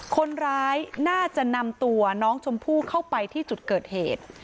คนร้ายน่าจะนำตัวน้องชมพู่เข้าไปที่จุดเกิดเหตุ